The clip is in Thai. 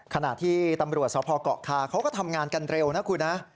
ขณะที่ตำรวจสพเกาะคาเขาก็ทำงานกันเร็วนะคุณนะ